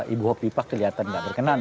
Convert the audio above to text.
ibu hopi pak kelihatan tidak berkenan